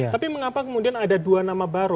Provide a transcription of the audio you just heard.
tapi mengapa kemudian ada dua nama baru